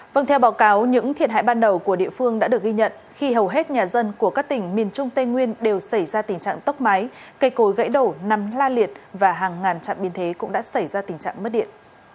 vâng theo báo cáo những thiệt hại ban đầu của địa phương đã được ghi nhận khi hầu hết nhà dân của các tỉnh miền trung tây nguyên đều xảy ra tình trạng tốc máy cây cối gãy đổ nằm la liệt và hàng ngàn trạm biến thế cũng đã xảy ra tình trạng mất điện